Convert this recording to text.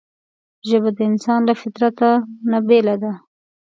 ژبه د انسان له فطرته نه بېله ده